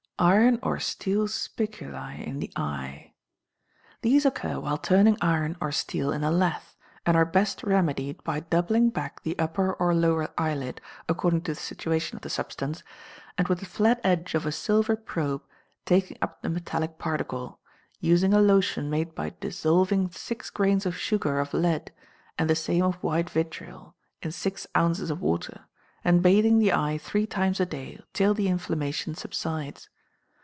Iron or Steel Spiculæ in the Eye. These occur while turning iron or steel in a lathe, and are best remedied by doubling back the upper or lower eyelid, according to the situation of the substance, and with the flat edge of a silver probe, taking up the metallic particle, using a lotion made by dissolving six grains of sugar of lead, and the same of white vitriol, in six ounces of water, and bathing the eye three times a day till the inflammation subsides.